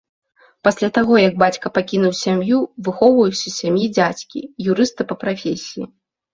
Пасля таго, як бацька пакінуў сям'ю, выхоўваўся ў сям'і дзядзькі, юрыста па прафесіі.